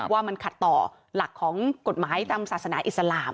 ว่ามันขัดต่อหลักของกฎหมายตามศาสนาอิสลาม